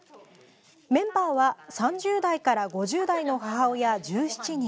メンバーは３０代から５０代の母親１７人。